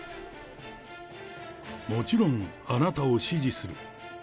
もちろん、あなたを支持する。